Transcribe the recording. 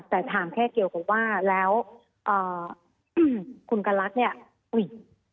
แต่ถามแค่เกี่ยวกับว่าแล้วอ่าครูแลกเนี่ยอุ้ย